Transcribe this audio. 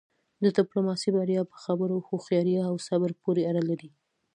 د ډیپلوماسی بریا په خبرو، هوښیارۍ او صبر پورې اړه لری.